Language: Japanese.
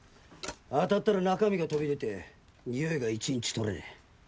当たったら中身が飛び出て臭いが一日取れねぇ。